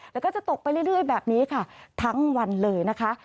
แล้วก็จะตกไปเรื่อยแบบนี้ค่ะทั้งวันเลยนะคะ